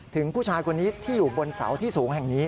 ถึงผู้ชายคนนี้ที่อยู่บนเสาที่สูงแห่งนี้